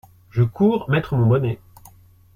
Je cours mettre mon bonnet.